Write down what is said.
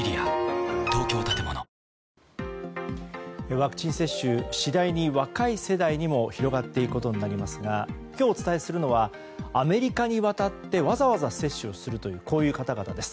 ワクチン接種次第に若い世代にも広がっていくことになりますが今日お伝えするのはアメリカにわたってわざわざ接種をするという方々です。